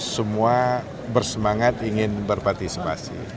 semua bersemangat ingin berpartisipasi